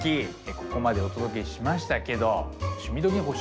ここまでお届けしましたけど「趣味どきっ！」